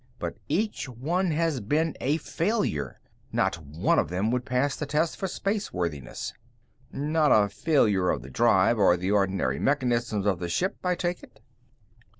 But each one has been a failure. Not one of them would pass the test for space worthiness." "Not a failure of the drive or the ordinary mechanisms of the ship, I take it?"